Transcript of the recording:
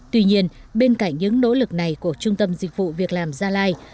tuy nhiên bên cạnh những nỗ lực này của trung tâm dịch vụ việc làm gia lai